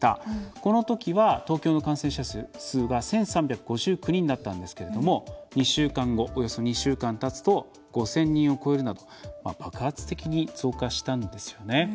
このときは東京の感染者数が１３５９人だったんですが２週間後、およそ２週間たつとおよそ５０００人を超えるなど爆発的に増加したんですよね。